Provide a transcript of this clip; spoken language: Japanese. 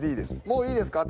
もういいですか？